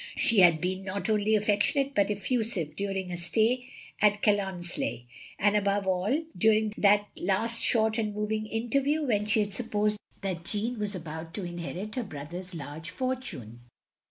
She had been not only affec tionate, but effusive, during her stay at Challons leigh; and above all during that last short and moving interview, when she had supposed that Jeanne was about to inherit her brother's large fortune.